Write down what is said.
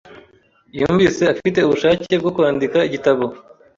Yumvise afite ubushake bwo kwandika igitabo.